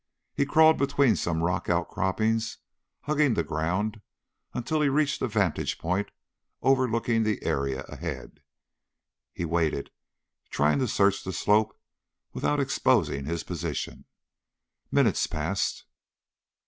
He crawled between some rock outcroppings, hugging the ground until he reached a vantage point overlooking the area ahead. He waited, trying to search the slope without exposing his position. Minutes passed.